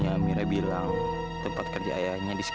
amirah ibu minta maaf ya nak